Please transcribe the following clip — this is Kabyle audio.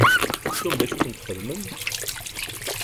Tettum d acu i sent-txedmem?